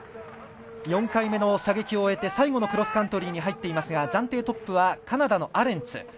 ４回目の射撃を終えて最後のクロスカントリーに入っていますが暫定トップはカナダのアレンツ。